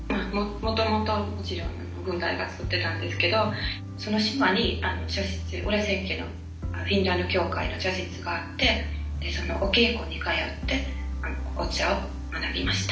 もともともちろん軍隊が使ってたんですけどその島に茶室裏千家のフィンランド協会の茶室があってお稽古に通ってお茶を学びました。